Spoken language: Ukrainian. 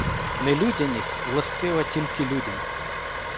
Нелюдяність властива тільки людям.